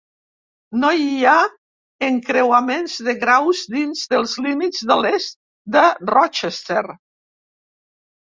No hi ha encreuaments de graus dins dels límits de l'est de Rochester.